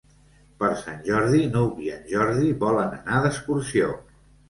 Per Sant Jordi n'Hug i en Jordi volen anar d'excursió.